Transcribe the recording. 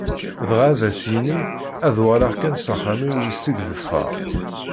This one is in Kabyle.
Dɣa ad s-yini: ad uɣaleɣ kan s axxam-iw iseg d-ffɣeɣ.